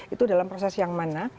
itu dalam proses yang mana